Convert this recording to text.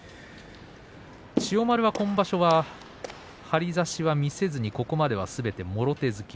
千代丸は今場所は張り差しは見せずにここまではすべてもろ手突き。